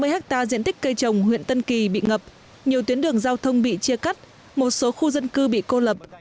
ba mươi hectare diện tích cây trồng huyện tân kỳ bị ngập nhiều tuyến đường giao thông bị chia cắt một số khu dân cư bị cô lập